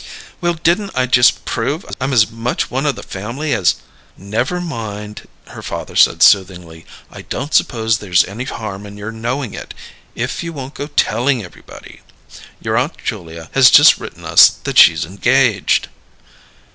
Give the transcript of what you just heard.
"Well, didn't I just prove I'm as much one o' the family as " "Never mind," her father said soothingly. "I don't suppose there's any harm in your knowing it if you won't go telling everybody. Your Aunt Julia has just written us that she's engaged."